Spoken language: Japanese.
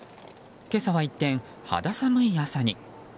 今朝は一転、肌寒い朝に。